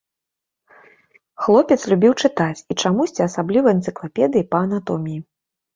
Хлопец любіў чытаць, і чамусьці асабліва энцыклапедыі па анатоміі.